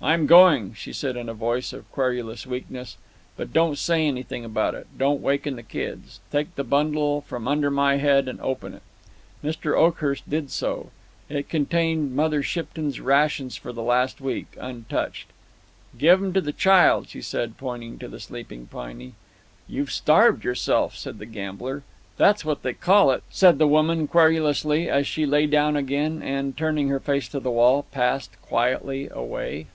"I'm going," she said, in a voice of querulous weakness, "but don't say anything about it. Don't waken the kids. Take the bundle from under my head and open it." Mr. Oakhurst did so. It contained Mother Shipton's rations for the last week, untouched. "Give 'em to the child," she said, pointing to the sleeping Piney. "You've starved yourself," said the gambler. "That's what they call it," said the woman, querulously, as she lay down again and, turning her face to the wall, passed quietly away.